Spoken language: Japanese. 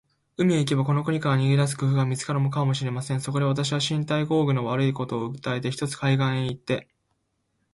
海へ行けば、この国から逃げ出す工夫が見つかるかもしれません。そこで、私は身体工合の悪いことを訴えて、ひとつ海岸へ行って